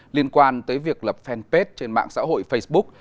liên quan tới việc lập fanpage trên mạng xã hội facebook